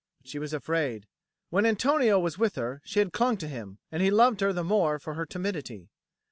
But she was afraid. When Antonio was with her, she had clung to him, and he loved her the more for her timidity.